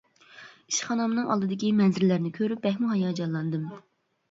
ئىشخانامنىڭ ئالدىدىكى مەنزىرىلەرنى كۆرۈپ بەكمۇ ھاياجانلاندىم.